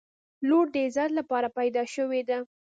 • لور د عزت لپاره پیدا شوې ده.